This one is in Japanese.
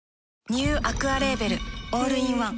ニューアクアレーベルオールインワン